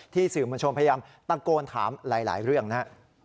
สื่อมวลชนพยายามตะโกนถามหลายเรื่องนะฮะ